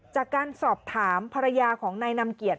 จากการสอบถามภรรยาของนายนำเกียรติ